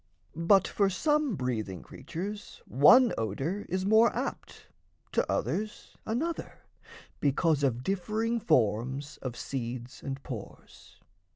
But for some breathing creatures One odour is more apt, to others another Because of differing forms of seeds and pores.